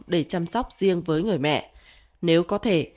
để chăm sóc riêng với người mẹ nếu có thể